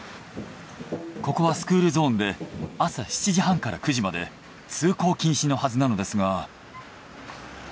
ここはスクールゾーンで朝７時半から９時まで通行禁止のはずなのですが。